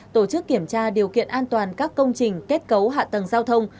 tổ chức kiểm tra điều kiện an toàn các công trình kết cấu hạ tầng giao thông